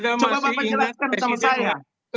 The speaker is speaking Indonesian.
coba bapak jelaskan sama saya